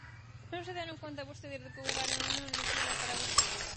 ¿Non se deron conta vostedes de que o Goberno non lexisla para vostedes?